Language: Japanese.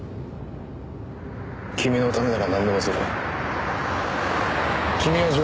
君のためならなんでもする。